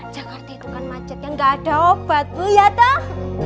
jakarta itu kan macet yang gak ada obat bu ya toh